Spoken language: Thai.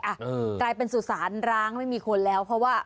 กลายเป็นสุสานร้างไม่มีคนแล้วเพราะว่า